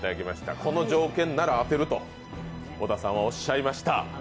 この条件なら当てるとおっしゃいました。